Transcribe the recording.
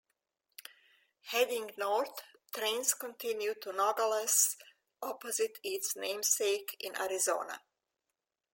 Heading north, trains continued to Nogales, opposite its namesake in Arizona.